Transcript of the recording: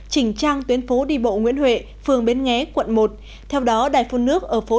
chỉnh trang tuyến phố đi bộ nguyễn huệ phường bến nghé quận một theo đó đài phun nước ở phố